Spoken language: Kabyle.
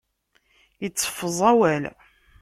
Iteffeẓ awal.